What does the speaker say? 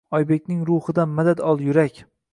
Oybekning ruhidan madad ol, yurak!